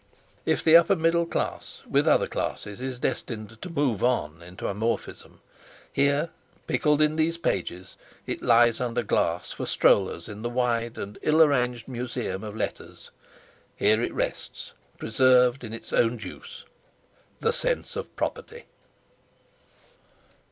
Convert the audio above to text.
If the upper middle class, with other classes, is destined to "move on" into amorphism, here, pickled in these pages, it lies under glass for strollers in the wide and ill arranged museum of Letters. Here it rests, preserved in its own juice: The Sense of Property.